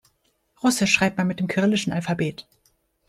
Russisch schreibt man mit dem kyrillischen Alphabet.